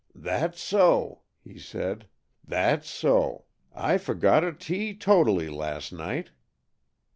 "That's so!" he said. "That's so! I forgot it teetotally last night."